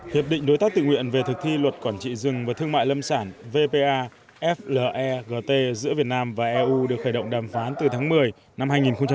hiệp định đối tác tự nguyện về thực thi luật quản trị rừng và thương mại lâm sản vpa fleegt giữa việt nam và eu được khởi động đàm phán từ tháng một mươi năm hai nghìn một mươi